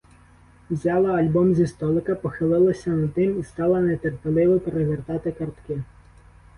Взяла альбом зі столика, похилилася над ним і стала нетерпеливо перевертати картки.